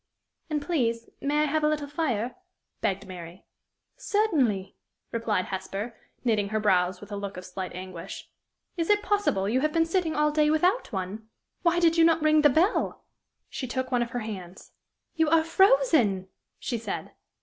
"And, please, may I have a little fire?" begged Mary. "Certainly," replied Hesper, knitting her brows with a look of slight anguish. "Is it possible you have been sitting all day without one? Why did you not ring the bell?" She took one of her hands. "You are frozen!" she said.